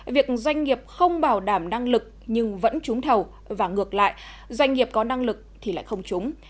việc doanh nghiệp không bảo đảm năng lực nhưng vẫn trúng thầu và ngược lại doanh nghiệp có năng lực thì lại không trúng